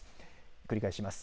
繰り返します。